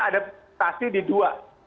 ada mutasi di dua